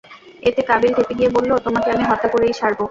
এতে কাবীল ক্ষেপে গিয়ে বলল, তোমাকে আমি হত্যা করেই ছাড়ব।